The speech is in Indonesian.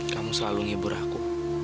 kamu selalu ngibur aku